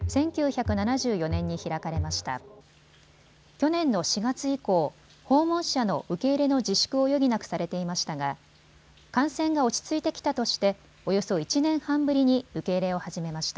去年の４月以降、訪問者の受け入れの自粛を余儀なくされていましたが感染が落ち着いてきたとしておよそ１年半ぶりに受け入れを始めました。